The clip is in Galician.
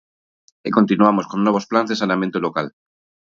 E continuamos con novos plans de saneamento local.